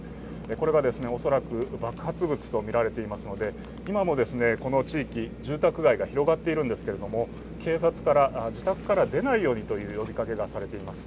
これが恐らく爆発物とみられていますので、今もこの地域、住宅街が広がっているんですけれども、警察から自宅から出ないようにという呼びかけがされています。